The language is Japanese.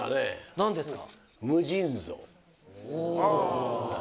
何ですか？